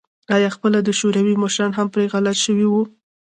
آن خپله د شوروي مشران هم پرې غلط شوي وو